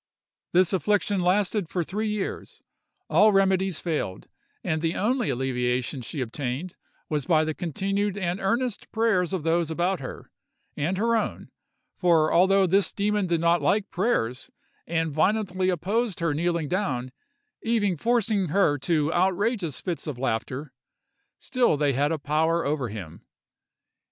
This affliction lasted for three years; all remedies failed, and the only alleviation she obtained was by the continued and earnest prayers of those about her, and her own: for although this demon did not like prayers, and violently opposed her kneeling down, even forcing her to outrageous fits of laughter, still they had a power over him.